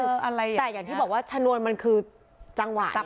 แต่อย่างที่บอกว่าชนวนมันคือจังหวะนี้แหละ